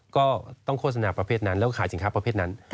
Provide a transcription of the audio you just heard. ก็ต้องโฆษณาประเภทนั้นแล้วก็ขายสินค้าประเภทนั้น